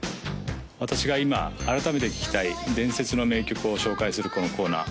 私が今改めて聴きたい伝説の名曲を紹介するこのコーナー